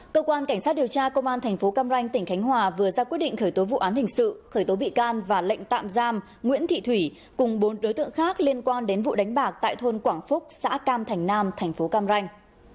cơ quan cảnh sát điều tra công an thành phố cam ranh tỉnh khánh hòa vừa ra quyết định khởi tố vụ án hình sự khởi tố bị can và lệnh tạm giam nguyễn thị thủy cùng bốn đối tượng khác liên quan đến vụ đánh bạc tại thôn quảng phúc xã cam thành nam thành phố cam ranh